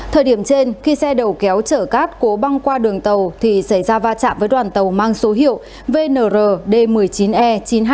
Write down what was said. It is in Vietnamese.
thời điểm trên khi xe đầu kéo chở cát cố băng qua đường tàu thì xảy ra va chạm với đoàn tàu mang số hiệu vnr d một mươi chín e chín trăm hai mươi